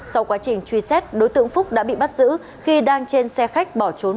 sau quá trình truy xét đối tượng phúc đã bị bắt giữ khi đang trên xe khách bỏ trốn